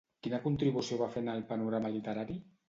Quina contribució va fer en el panorama literari?